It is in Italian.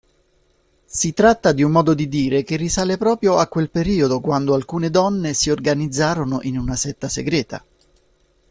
Si tratta di un modo di dire che risale proprio a quel periodo quando alcune donne si organizzarono in una setta segreta.